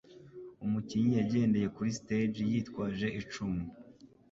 Umukinnyi yagendeye kuri stage yitwaje icumu.